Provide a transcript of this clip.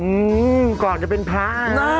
อื้อก่อนจะเป็นพระนะ